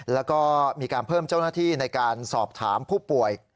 แล้วก็มีการเพิ่มเจ้าหน้าที่ในการสอบถามผู้ป่วย